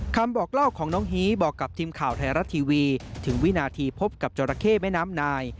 คำบอกเล่าของน้องฮีบอกกับทีมข่าวไทยรัฐทีวีถึงวินาทีพบกับจราเข้แม่น้ำนาย